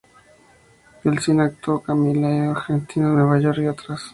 En cine actuó en "Camila, Un argentino en Nueva York" y otras.